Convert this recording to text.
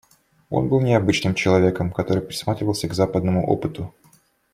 Он был необычным человеком, который присматривался к западному опыту.